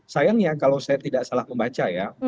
sayangnya kalau saya tidak salah membaca ya